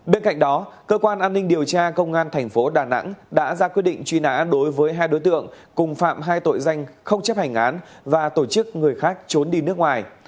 bên cạnh đó cơ quan an ninh điều tra công an thành phố đà nẵng đã ra quyết định truy nã đối với hai đối tượng cùng phạm hai tội danh không chấp hành án và tổ chức người khác trốn đi nước ngoài